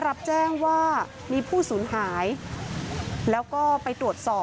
พ่อแม่มาเห็นสภาพศพของลูกร้องไห้กันครับขาดใจ